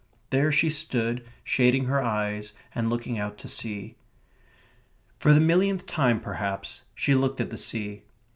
There she stood, shading her eyes and looking out to sea. For the millionth time, perhaps, she looked at the sea.